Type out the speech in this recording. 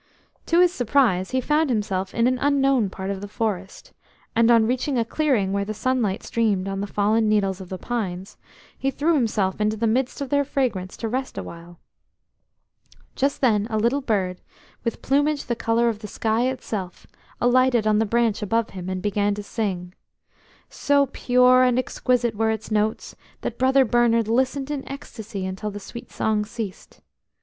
To his surprise he found himself in an unknown part of the forest, and on reaching a clearing where the sunlight streamed on the fallen needles of the pines, he threw himself into the midst of their fragrance to rest awhile. Just then a little bird, with plumage the colour of the sky itself, alighted on the branch above him, and began to sing. So pure and exquisite were its notes that Brother Bernard listened in ecstasy until the sweet song ceased.